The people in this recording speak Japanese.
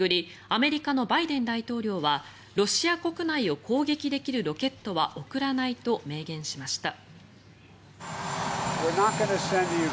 アメリカのバイデン大統領はロシア国内を攻撃できるロケットは送らないと明言しました。